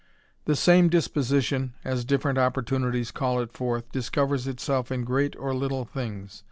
The same disposition, as different opportunities call it foi~th, discovers itself in great or little things.